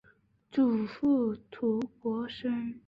祖父涂国升。